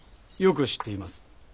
よく知っています。